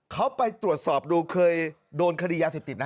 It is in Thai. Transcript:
เขาไปตรวจสอบดูเคยโดนคดียาเสพติดนะ